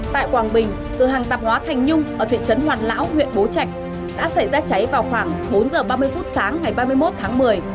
tại quảng bình cửa hàng tạp hóa thành nhung ở thị trấn hoàn lão huyện bố trạch đã xảy ra cháy vào khoảng bốn giờ ba mươi phút sáng ngày ba mươi một tháng một mươi